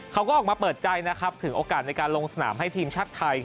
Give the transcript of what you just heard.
เขาก็ออกมาเปิดใจถึงโอกาสในการลงสนามให้ทีมชาติไทย